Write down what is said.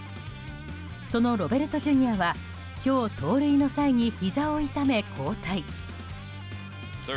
そのロベルトＪｒ．は今日盗塁の際にひざを痛め交代。